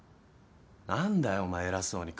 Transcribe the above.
何だよお前偉そうに。